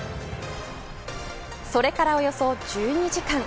それからおよそ１２時間。